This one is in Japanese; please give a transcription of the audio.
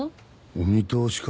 お見通しか。